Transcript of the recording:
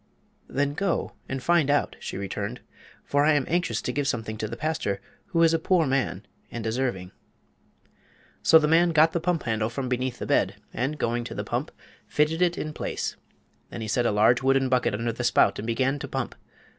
"Then go and find out," she returned, "for I am anxious to give something to the pastor, who is a poor man and deserving." So the man got the pump handle from beneath the bed, and, going to the pump, fitted it in place. Then he set a large wooden bucket under the spout and began to pump.